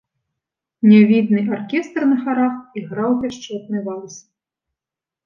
Нявідны аркестр на харах іграў пяшчотны вальс.